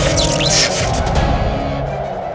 sama sama dengan kamu